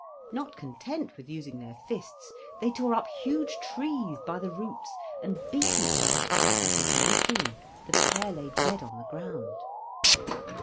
Not content with using their fists, they tore up huge trees by the roots, and beat each other until very soon the pair lay dead on the ground.